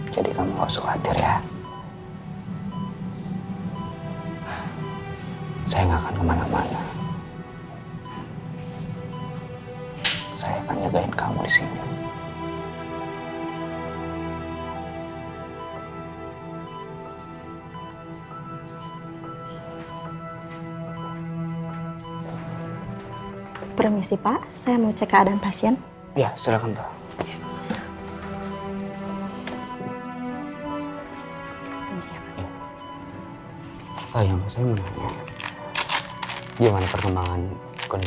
tapi sekarang kondisi pasien sudah mulai membaik